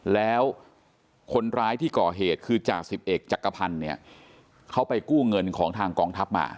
แล้วคนร้ายที่ก่อเหตุคือจ่าสิบเอกจักรพันธ์เนี่ยเขาไปกู้เงินของทางกองทัพมา